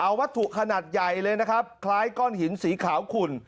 เอาวัตถุขนาดใหญ่เลยนะครับคล้ายก้อนหินสีขาวขุ่น